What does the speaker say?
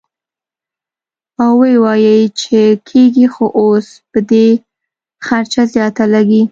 او وائي چې کيږي خو اوس به دې خرچه زياته لګي -